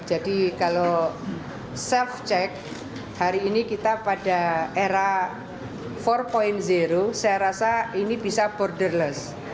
jadi kalau self check hari ini kita pada era empat saya rasa ini bisa borderless